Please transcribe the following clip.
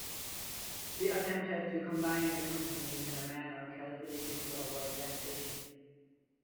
He attempted to combine the companies in a manner calculated to avoid taxation.